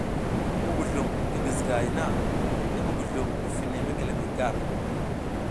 Muguzlum ngi gizigahay na i muguzlum mi fine mekelemey gar.